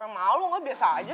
malu nggak biasa aja